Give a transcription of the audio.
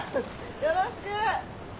よろしく。